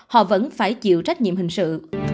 họ vẫn phải chịu trách nhiệm hình sự